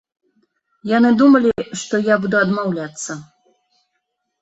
Яны думалі, што я буду адмаўляцца.